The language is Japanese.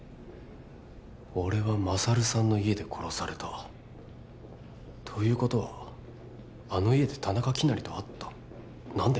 俺は勝さんの家で殺されたということはあの家で田中希也と会った何で？